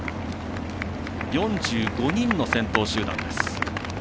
４５人の先頭集団です。